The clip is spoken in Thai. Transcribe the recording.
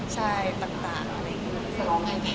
สามารถให้เป็น